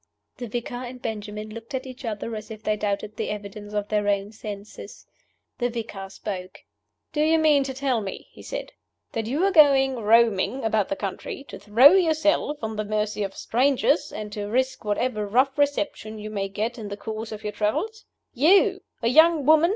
The vicar and Benjamin looked at each other as if they doubted the evidence of their own senses. The vicar spoke. "Do you mean to tell me," he said, "that you are going roaming about the country to throw yourself on the mercy of strangers, and to risk whatever rough reception you may get in the course of your travels? You! A young woman!